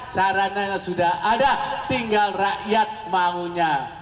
sarananya sudah ada tinggal rakyat maunya